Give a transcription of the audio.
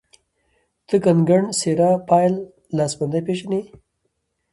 ته کنګڼ ،سيره، پايل، لاسبندي پيژنې